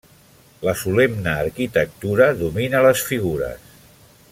La solemne arquitectura domina les figures.